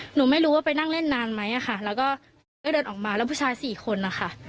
หนูไม่รู้ว่าไปนั่งเล่นนานไหมค่ะแล้วก็เดินออกมาแล้วผู้ชายสี่คนนะคะ